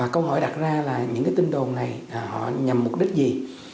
câu hỏi đặt ra là những tin đồn này nhằm mục đích gì